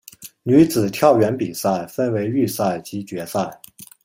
女子跳远比赛分为预赛及决赛。